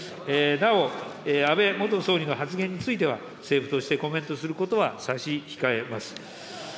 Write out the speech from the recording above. なお、安倍元総理の発言については、政府としてコメントすることは差し控えます。